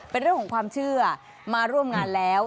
เป็นเรื่องของความเชื่อมาร่วมงานแล้ว